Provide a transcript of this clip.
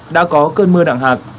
đã có cơn mưa đặng hạt